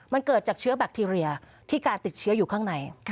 มันเกิดจากเชื้อแบคทีเรียที่การติดเชื้ออยู่ข้างใน